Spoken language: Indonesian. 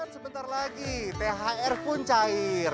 sebentar lagi thr pun cair